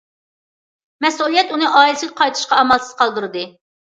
مەسئۇلىيەت ئۇنى ئائىلىسىگە قايتىشقا ئامالسىز قالدۇردى.